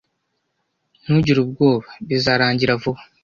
Ntugire ubwoba. Bizarangira vuba.